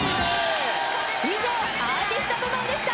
以上アーティスト部門でした！